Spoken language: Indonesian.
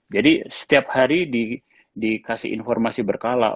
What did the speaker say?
jadi setiap hari dikasih informasi berkala